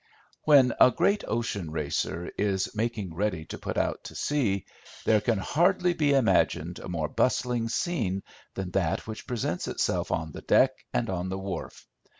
When a great ocean racer is making ready to put out to sea, there can hardly be imagined a more bustling scene than that which presents itself on the deck and on the wharf.